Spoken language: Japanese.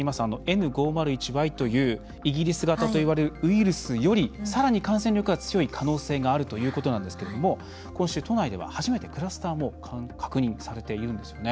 Ｎ５０１Ｙというイギリス型といわれるウイルスよりさらに感染力が強い可能性があるということなんですけども今週、都内では初めてクラスターも確認されているんですよね。